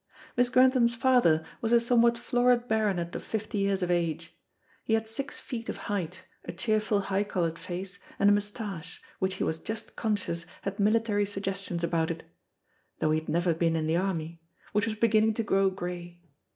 Miss Grantham's father was a somewhat florid baronet of fifty years of age. He had six feet of height, a cheerful, high coloured face, and a moustache, which he was just conscious had military suggestions about it though he had never been in the army which was beginning to grow grey.